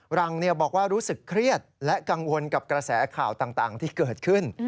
หลังบอกว่ารู้สึกเครียดและกังวลกับกระแสข่าวต่างที่เกิดขึ้น